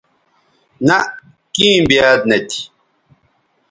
نہء کیں بیاد نہ تھی